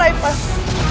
rai prabu rai prabu